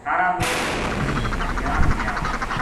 سارا لوک حریان ہویا